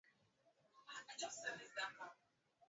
ambazo zingine na zile sifurahie akaruhusu ziendelee katika